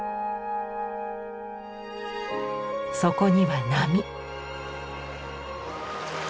そこには波。